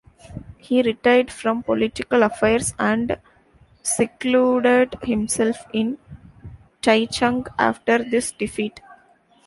He retired from political affairs and secluded himself in Taichung after this defeat.